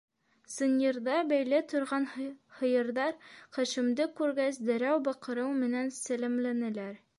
Сынйырҙа бәйле торған һыйырҙар, Хашимды күргәс, дәррәү баҡырыу менән сәләмләнеләр.